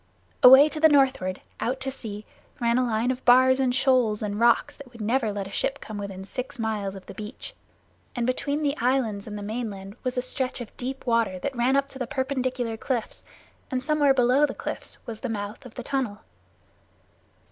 Away to the northward, out to sea, ran a line of bars and shoals and rocks that would never let a ship come within six miles of the beach, and between the islands and the mainland was a stretch of deep water that ran up to the perpendicular cliffs, and somewhere below the cliffs was the mouth of the tunnel.